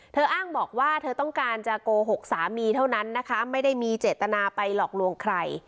อ้างบอกว่าเธอต้องการจะโกหกสามีเท่านั้นนะคะไม่ได้มีเจตนาไปหลอกลวงใคร